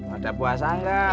ada puasa enggak